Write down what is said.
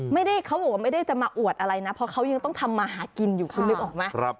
เขาบอกว่าไม่ได้จะมาอวดอะไรนะเพราะเขายังต้องทำมาหากินอยู่คุณนึกออกไหม